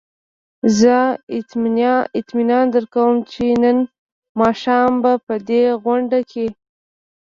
زه اطمینان درکړم چې نن ماښام به په دې غونډه کې.